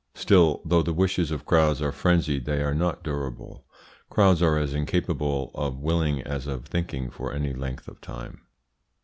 Still, though the wishes of crowds are frenzied they are not durable. Crowds are as incapable of willing as of thinking for any length of time.